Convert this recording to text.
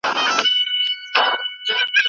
نړیوالي جګړې په میلیونونو انسانان مرګ ته سوق